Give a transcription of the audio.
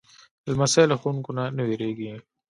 لمسی له ښوونکو نه نه وېرېږي.